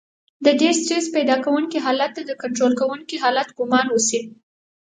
د ډېر سټرس پيدا کوونکي حالت ته د کنټرول کېدونکي حالت ګمان وشي.